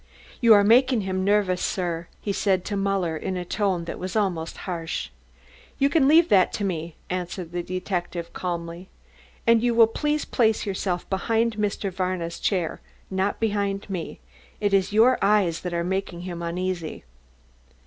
"You are making him nervous, sir," he said to Muller in a tone that was almost harsh. "You can leave that to me," answered the detective calmly. "And you will please place yourself behind Mr. Varna's chair, not behind mine. It is your eyes that are making him uneasy."